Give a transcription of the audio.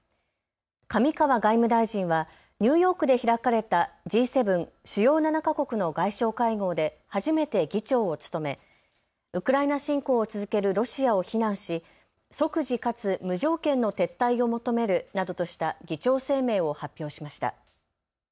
上川外務大臣はニューヨークで開かれたＧ７・主要７か国の外相会合で初めて議長を務めウクライナ侵攻を続けるロシアを非難し、即時かつ無条件の撤退を求めるなどとした議長声明を発表しました。